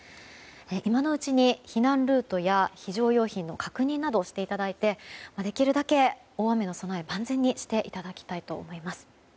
今のうちに避難ルートや非常用品の確認などしていただいてできるだけ大雨の備えを万全にしていただきたいと思います。